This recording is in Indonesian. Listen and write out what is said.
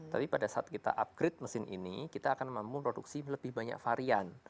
tapi pada saat kita upgrade mesin ini kita akan memproduksi lebih banyak varian